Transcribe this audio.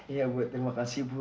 iya bu terima kasih bu